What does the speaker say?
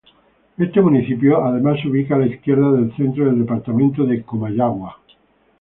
Este municipio además se ubica a la izquierda del centro del departamento de Comayagua.